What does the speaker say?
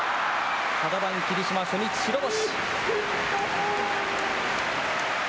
角番、霧島、初日白星。